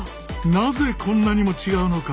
なぜこんなにも違うのか？